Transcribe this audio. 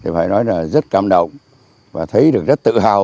phải nói là rất cảm động và thấy được rất tự hào